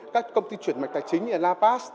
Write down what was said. các công ty chuyển mạch tài chính như lapas